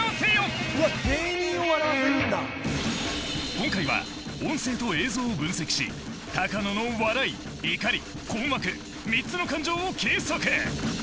今回は音声と映像を分析し高野の笑い怒り困惑３つの感情を計測！